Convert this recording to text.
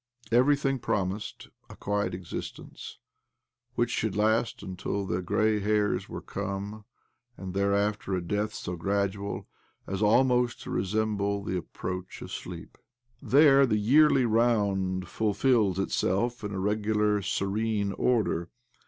Everything promised a quiet iexistence which should last until the grey hairs were come, and thereafter a death so gradual as almost to resemble the approach of sleep. There the yearly round fulfils itself in a regular, serene order.